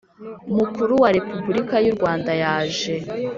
Mukuru wa Repubulika y u Rwanda yaje